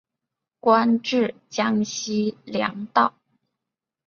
官至江西粮道。